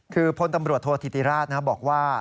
คือพรตำรวจทรวชธิติราชนะครับบอกว่า